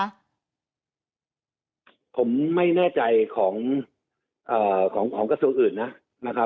ผมไม่แน่ใจของกระทรวงอื่นนะ